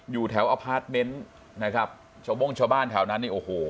อยู่แถวอพาร์ทเมนต์นะครับชาวโบ้งชาวบ้านแถวนั้นนี่โอ้โห